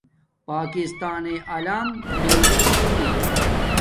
پاکستانݵ الم نلی چھی